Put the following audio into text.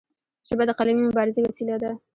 ژبه د قلمي مبارزې وسیله ده.